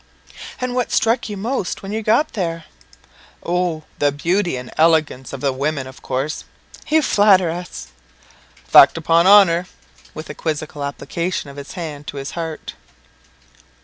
"And what struck you most when you got there?" "Oh, the beauty and elegance of the women, of course." "You flatter us." "Fact, upon honour," with a quizzical application of his hand to his heart.